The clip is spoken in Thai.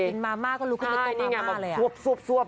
เป็นมาม่าก็ลุกขึ้นต้นมาม่าเลย